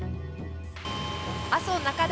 阿蘇中岳